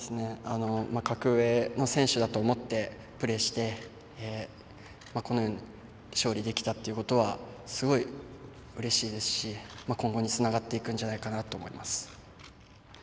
格上の選手だと思ってプレーして、このように勝利できたということはすごい、うれしいですし今後につながっていくんじゃないかなと思います。